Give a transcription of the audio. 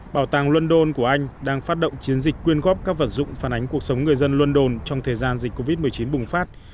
bảo tàng london của anh đang phát động chiến dịch quyên góp các vật dụng phản ánh cuộc sống người dân london trong thời gian dịch covid một mươi chín bùng phát